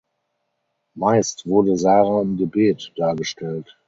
Meist wurde Sara im Gebet dargestellt.